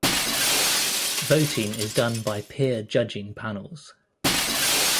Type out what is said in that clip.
Voting is done by peer judging panels.